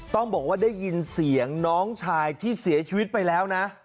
ต้องบอกว่าได้ยินเสียงน้องชายที่เสียชีวิตไปแล้วนะ